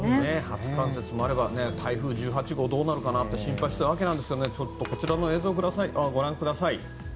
初冠雪もあれば台風１８号、どうなるかなと心配していたわけなんですがこちらの映像をご覧ください。